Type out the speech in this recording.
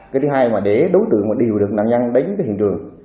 cái thứ hai mà để đối tượng mà điều được nạn nhân đến cái hiện trường